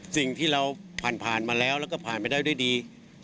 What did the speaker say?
สิ่งที่เราผ่านมาแล้วแล้วก็ผ่านไปได้ด้วยดี